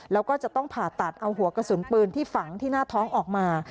แล้วก็จะต้องผ่าตัดเอาหัวกระสุนปืนที่ฝังที่หน้าท้องออกมา